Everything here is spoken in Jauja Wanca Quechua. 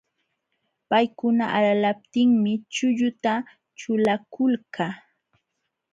Paykuna alalaptinmi chulluta ćhulakulka.